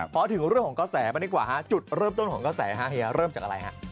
พอถึงเรื่องของเกาะแสไปนิดกว่าจุดเริ่มต้นของเกาะแสเริ่มจากอะไร